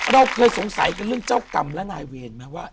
เราเคยสงสัยกันเรื่องเจ้ากรรมและนายเวรไหมว่า